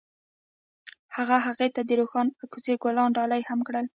هغه هغې ته د روښانه کوڅه ګلان ډالۍ هم کړل.